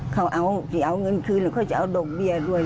เขาเอาจะเอาเงินคืนหรือเขาจะเอาดอกเบี้ยด้วย